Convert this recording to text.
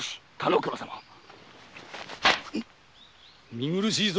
見苦しいぞ！